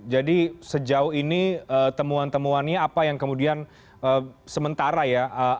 jadi sejauh ini temuan temuan ini apa yang kemudian sementara ya